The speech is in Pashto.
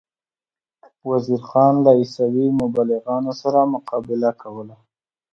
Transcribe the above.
وزیر خان له عیسوي مبلغانو سره مقابله کوله.